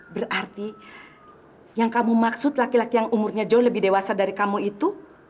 berarti yang kamu maksud laki laki yang umurnya jauh lebih dewasa dari kamu itu